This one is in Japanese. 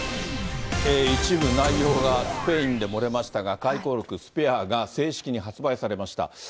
一部内容がスペインで漏れましたが、回顧録、スペアが正式に発売されました。